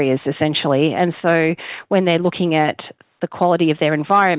jadi ketika mereka melihat kualitas lingkungan mereka